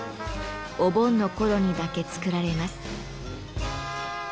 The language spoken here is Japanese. お盆の頃にだけ作られます。